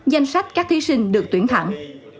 danh sách các thí sinh được tuyển thẳng